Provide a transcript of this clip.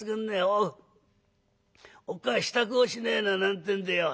おうおっかあ支度をしねえな』なんてんでよ」。